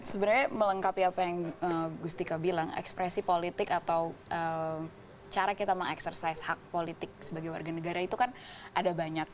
sebenarnya melengkapi apa yang gustika bilang ekspresi politik atau cara kita mengeksersaise hak politik sebagai warga negara itu kan ada banyak